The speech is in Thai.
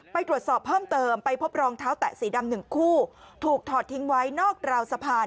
ไปตรวจสอบเพิ่มเติมไปพบรองเท้าแตะสีดำหนึ่งคู่ถูกถอดทิ้งไว้นอกราวสะพาน